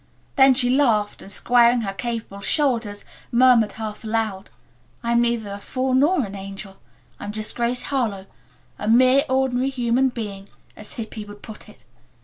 Then she laughed and squaring her capable shoulders murmured half aloud, "I'm neither a fool nor an angel. I'm just Grace Harlowe, a 'mere ordinary human being,' as Hippy would put it.